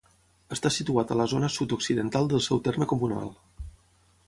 Està situat a la zona sud-occidental del seu terme comunal.